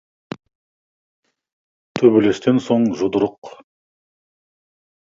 Төбелестен соң жұдырық.